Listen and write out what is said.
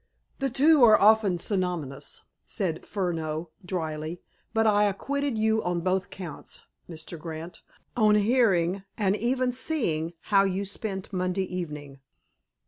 "The two are often synonymous," said Furneaux dryly. "But I acquitted you on both counts, Mr. Grant, on hearing, and even seeing, how you spent Monday evening."